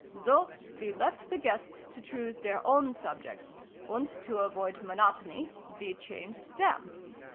" So we left the guests to choose their own subjects ; and, to avoid monotony, we changed them.